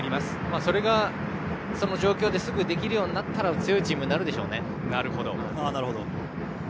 それが、その状況ですぐできるようになったら強いチームになるでしょうね。